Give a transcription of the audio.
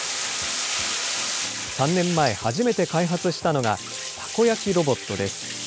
３年前、初めて開発したのが、たこ焼きロボットです。